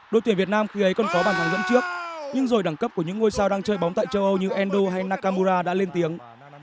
đội tuyển việt nam khi ấy còn có bàn thắng dẫn trước nhưng rồi đẳng cấp của những ngôi sao đang chơi bóng tại châu âu như endo hay nakamura đã lên tiếng